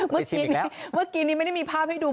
เมื่อกี้นี่ไม่ได้มีภาพให้ดู